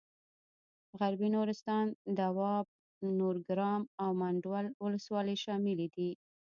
غربي نورستان دواب نورګرام او منډول ولسوالۍ شاملې دي.